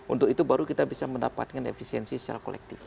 untuk itu baru kita bisa mendapatkan efisiensi secara kolektif